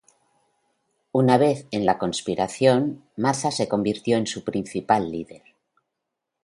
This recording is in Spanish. Una vez en la conspiración, Maza se convirtió en su principal líder.